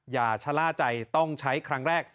อย่าชะล่าใจต้องใช้ครั้งแรก